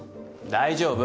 大丈夫。